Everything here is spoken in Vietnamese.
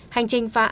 hành trình phát triển